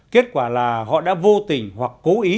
kết quả là họ đã vô tình hoặc cố ý